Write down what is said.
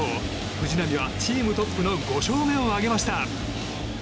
藤浪はチームトップの５勝目を挙げました。